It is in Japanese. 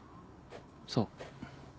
そう。